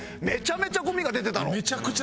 めちゃめちゃゴミが出てたの。